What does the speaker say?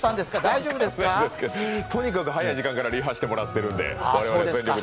とにかく早い時間からリハしてもらっているので全力で頑張